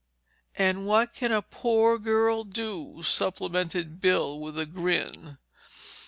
"And what can a poor girl do?" supplemented Bill with a grin.